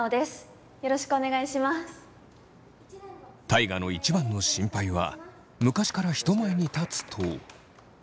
大我の一番の心配は昔から人前に立つと。